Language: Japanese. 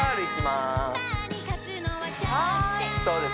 そうです